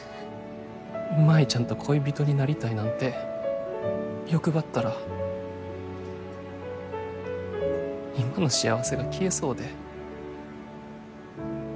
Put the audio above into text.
舞ちゃんと恋人になりたいなんて欲張ったら今の幸せが消えそうで。